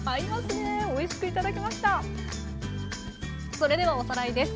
それではおさらいです。